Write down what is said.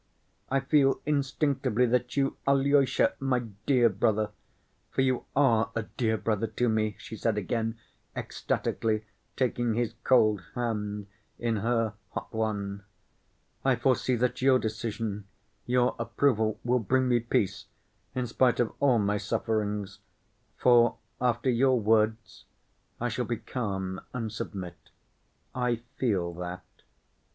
I feel instinctively that you, Alyosha, my dear brother (for you are a dear brother to me)," she said again ecstatically, taking his cold hand in her hot one, "I foresee that your decision, your approval, will bring me peace, in spite of all my sufferings, for, after your words, I shall be calm and submit—I feel that."